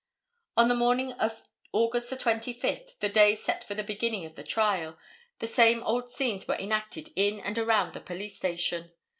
On the morning of August the 25th, the day set for the beginning of the trial, the same old scenes were enacted in and around the police station.